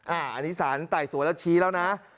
อันนี้สารไต่สวนแล้วชี้แล้วนะ